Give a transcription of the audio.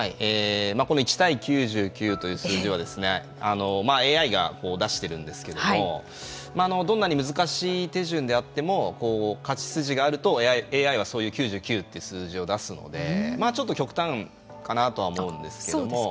この１対９９という数字はＡＩが出してるんですけどもどんなに難しい手順であっても勝ち筋があるとＡＩは、そういう９９という数字を出すのでちょっと極端かなとは思うんですけども。